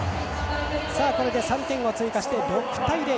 これで３点を追加して６対０。